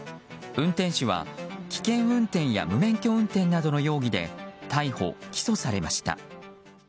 運転手は危険運転や無免許運転などの容疑で逮捕・起訴されました。